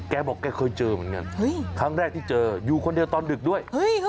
แกบอกแกเคยเจอเหมือนกันครั้งแรกที่เจออยู่คนเดียวตอนดึกด้วย